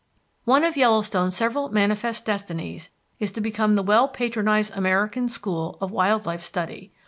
One of Yellowstone's several manifest destinies is to become the well patronized American school of wild life study.